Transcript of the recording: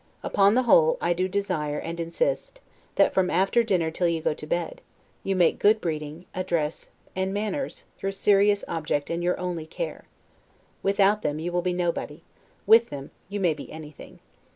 Upon the whole, I do desire, and insist, that from after dinner till you go to bed, you make good breeding, address, and manners, your serious object and your only care. Without them, you will be nobody; with them, you may be anything.